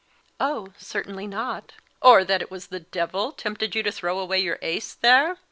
"Oh, certainly not." "Or that it was the devil tempted you to throw away your ace there?